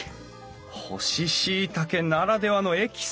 干ししいたけならではのエキス！